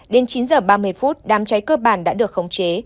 đến chín h ba mươi phút đám cháy cơ bản đã được khống chế